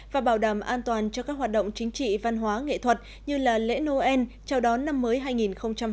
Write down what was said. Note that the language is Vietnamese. và bảo đảm an toàn cho các hoạt động chính trị văn hóa nghệ thuật như lễ noel chào đón năm mới hai nghìn hai mươi